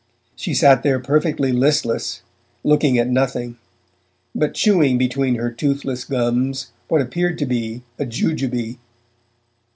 She sat there perfectly listless, looking at nothing, but chewing between her toothless gums what appeared to be a jujube.